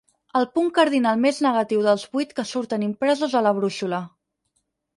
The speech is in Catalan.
El punt cardinal més negatiu dels vuit que surten impresos a la brúixola.